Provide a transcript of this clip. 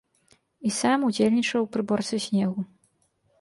І сам удзельнічаў у прыборцы снегу.